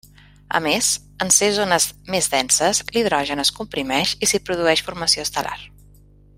A més, en ser zones més denses, l'hidrogen es comprimeix i s'hi produeix formació estel·lar.